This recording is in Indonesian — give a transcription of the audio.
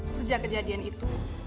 sejak kejadian itu